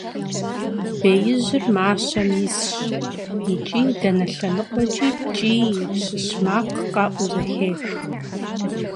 Беижьыр мащэм исщ, икӀи дэнэ лъэныкъуэкӀи кӀий, щыщ макъ къэӀуу зэхех.